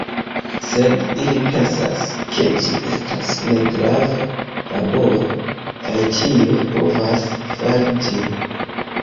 Sed ili pensas ke ĝi estas ne grava laboro kaj ĉiuj povas fari ĝin.